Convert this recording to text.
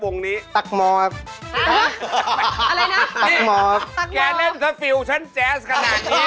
สวัสดีครับ